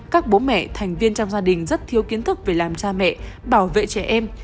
các bố mẹ thành viên trong gia đình rất thiếu kiến thức về làm cha mẹ bảo vệ trẻ em